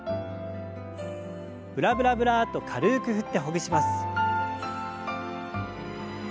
ブラブラブラッと軽く振ってほぐします。